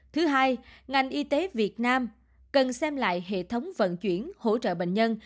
thứ hai ngành y tế việt nam cần xem lại hệ thống vận chuyển hỗ trợ bệnh nhân